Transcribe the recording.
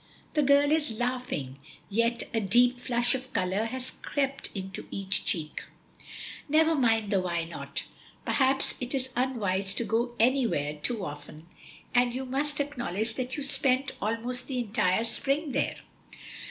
The girl is laughing, yet a deep flush of color has crept into each cheek. "Never mind the why not. Perhaps it is unwise to go anywhere too often; and you must acknowledge that you spent almost the entire spring there."